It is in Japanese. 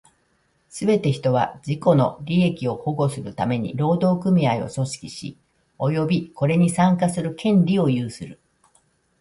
すべて人は、自己の利益を保護するために労働組合を組織し、及びこれに参加する権利を有する。